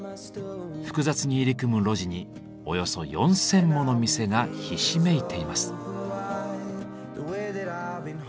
複雑に入り組む路地におよそ４，０００もの店がひしめいています。